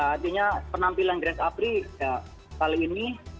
artinya penampilan grace apri kali ini